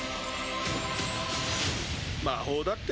魔法だって？